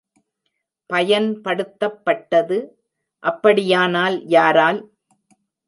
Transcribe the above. பயன்படுத்தப்பட்டது, அப்படியானால், யாரால்?